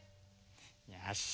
よし。